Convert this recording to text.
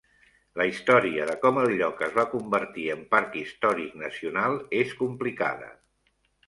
La història de com el lloc es va convertir en parc històric nacional és complicada.